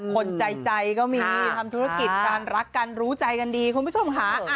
คนใจก็มีทำธุรกิจการรักกันรู้ใจกันดีคุณผู้ชมค่ะ